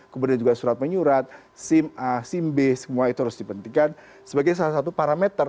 kemudian juga surat menyurat sim a sim b semua itu harus dipentingkan sebagai salah satu parameter